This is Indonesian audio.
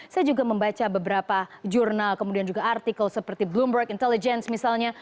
saya juga membaca beberapa jurnal kemudian juga artikel seperti bloomberg intelligence misalnya